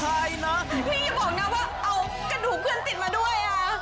พี่อย่าบอกนะว่าเอากระดูกคนติดมาด้วย